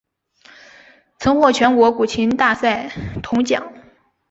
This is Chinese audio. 曾获全国古琴大赛铜奖。